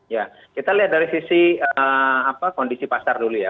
ya kita lihat dari sisi kondisi pasar dulu ya